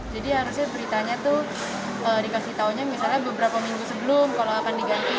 jadi harusnya beritanya tuh dikasih taunya misalnya beberapa minggu sebelum kalau akan diganti